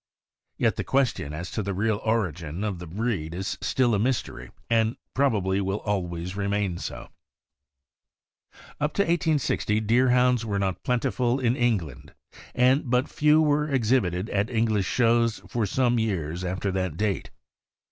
Yet the question as to the real origin of tiie breed is still a mystery, and will probably always remain so. . Up to 1860, Deerhounds were not plentiful in England, and but few were exhibited at English shows for some years after that date.